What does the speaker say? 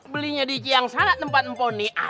belinya di ciyang sangat tempat empon niat